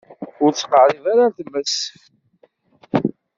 Ur ttqeṛṛib ara ar tmes.